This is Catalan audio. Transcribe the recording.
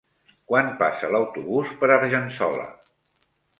Quan passa l'autobús per Argençola?